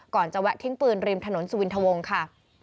จะแวะทิ้งปืนริมถนนสุวินทวงค่ะ